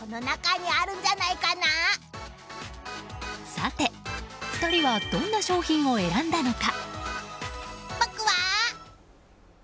さて、２人はどんな商品を選んだのか。